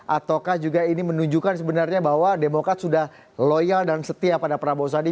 ataukah juga ini menunjukkan sebenarnya bahwa demokrat sudah loyal dan setia pada prabowo sandi